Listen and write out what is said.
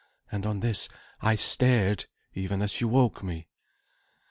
And on this I stared even as you woke me."